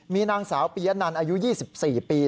มีนางสาวปียะนันอายุ๒๔ปี